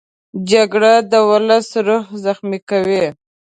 جګړه د ولس روح زخمي کوي